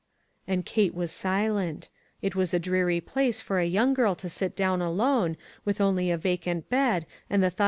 And Kate was silent. It was a dreary place for a young girl to sit down alone, with only a vacant bed, and the thought THE VIGILANCE COMMITTEE.